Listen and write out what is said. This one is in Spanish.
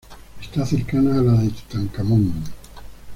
Está cercana a la de Tutankamón.